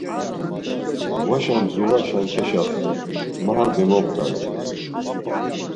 Vaşa zuğaşen keşaxta, ma hatzi moptare.